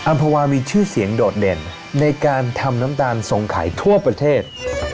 ภาวะมีชื่อเสียงโดดเด่นในการทำน้ำตาลส่งขายทั่วประเทศ